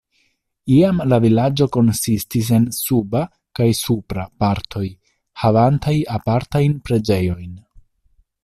Iam la vilaĝo konsistis el "Suba" kaj "Supra" partoj, havantaj apartajn preĝejojn.